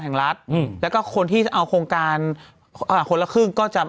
แห่งรัฐอืมแล้วก็คนที่เอาโครงการอ่าคนละครึ่งก็จะ